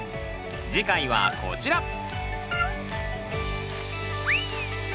次回はこちら！